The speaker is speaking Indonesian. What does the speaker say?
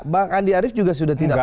bang andi arief juga sudah tidak